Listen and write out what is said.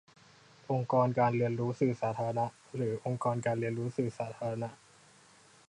องค์กรการเรียนรู้สื่อสาธารณะ หรือ องค์กรการเรียนรู้สื่อสาธารณะ ?